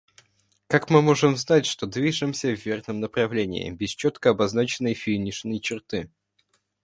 Как мы можем знать, что движемся в верном направлении, без четко обозначенной финишной черты?